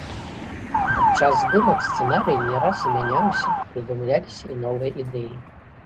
Падчас здымак сцэнарый не раз змяняўся, прыдумляліся і новыя ідэі.